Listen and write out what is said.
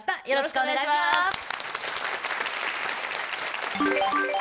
よろしくお願いします。